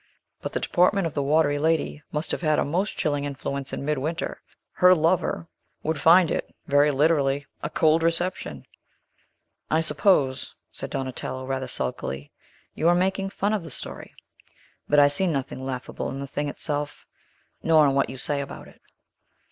"But the deportment of the watery lady must have had a most chilling influence in midwinter. Her lover would find it, very literally, a cold reception!" "I suppose," said Donatello rather sulkily, "you are making fun of the story. But I see nothing laughable in the thing itself, nor in what you say about it."